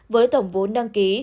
với tổng vốn đăng ký